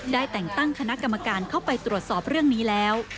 ได้แต่งตั้งคณะกรรมการเข้าไปตรวจสอบเรื่องนี้แล้ว